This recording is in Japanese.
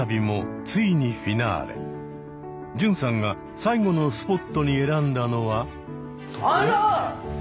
純さんが最後のスポットに選んだのは。